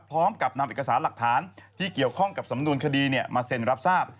พร้อมกับนำเอกสารหลักฐานที่เกี่ยวข้องกับสำนวนคดีมาเซ็นรับทราบ